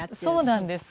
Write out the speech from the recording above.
そうなんです。